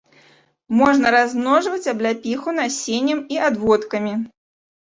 Можна размножваць абляпіху насеннем і адводкамі.